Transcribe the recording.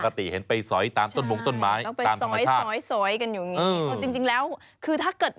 พี่ทศพรบอกว่าเดือนนึงนี้นะ